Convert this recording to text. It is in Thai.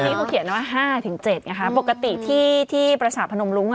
แล้วนี้เขาเขียนนะว่า๕๗นะคะปกติที่ประสาทพนมรุ้งอะ